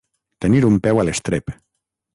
Tenir un peu a l'estrep.